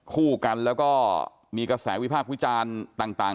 คู่กันแล้วก็มีกระแสวิพากษ์วิจารณ์ต่าง